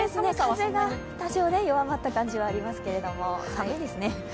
風が多少弱まった感じはありますけれども、寒いですね。